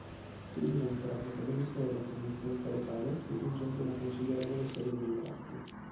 Qui diventerà protagonista della committenza locale dipingendo una considerevole serie di ritratti.